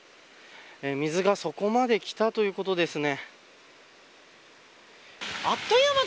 水がそこまで来たということですね。